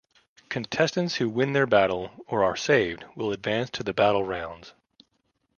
Contestants who win their battle or are saved will advance to the Battle rounds.